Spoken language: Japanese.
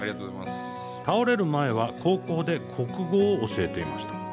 倒れる前は高校で国語を教えていました。